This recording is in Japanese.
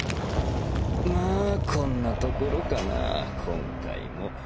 まあこんなところかな今回も。